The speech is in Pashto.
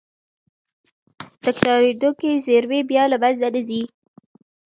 تکرارېدونکې زېرمې بیا له منځه نه ځي.